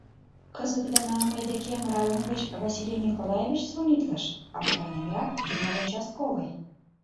— Кызыт гына мый декем район гыч Василий Николаевич звонитлыш, — аптыраненрак тӱҥале участковый.